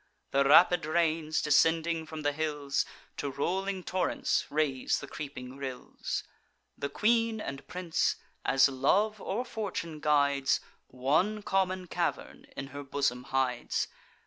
The rapid rains, descending from the hills, To rolling torrents raise the creeping rills. The queen and prince, as love or fortune guides, One common cavern in her bosom hides.